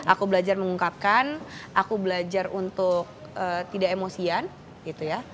aku belajar mengungkapkan aku belajar untuk tidak emosian gitu ya